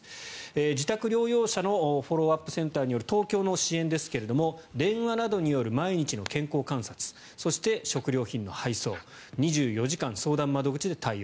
自宅療養者のフォローアップセンターによる東京の支援ですけども電話などによる毎日の健康観察そして食料品の配送２４時間の相談窓口で対応。